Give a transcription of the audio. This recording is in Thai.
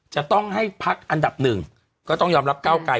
จะต้องให้พักอันดับหนึ่งก็ต้องยอมรับก้าวไกร